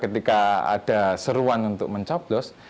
ketika ada seruan untuk mencoblos